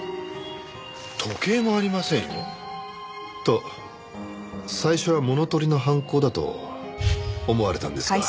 時計もありませんよ？と最初は物取りの犯行だと思われたんですが。